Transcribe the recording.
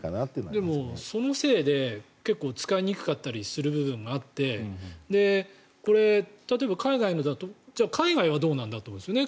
でもそのせいで結構使いにくかったりする部分があってこれ、例えば、海外のだとじゃあ海外はどうなんだと思いますよね。